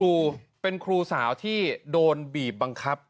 ครูเป็นครูสาวที่โดนบีบบังคับ